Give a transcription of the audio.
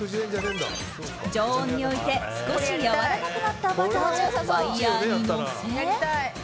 常温に置いて少しやわらかくなったバターをワイヤに載せ